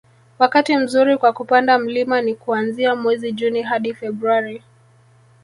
wakati mzuri kwa kupanda mlima ni kuanzia mwezi Juni hadi Februari